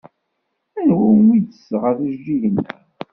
Anwa umi d-tesɣa tijeǧǧigin-a?